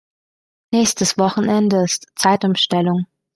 Nächstes Wochenende ist Zeitumstellung.